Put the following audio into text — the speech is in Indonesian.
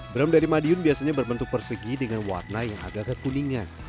brem dari madiun biasanya berbentuk persegi dengan warna yang agak agak kuningan